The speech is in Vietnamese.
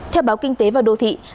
theo báo kinh tế và đô thị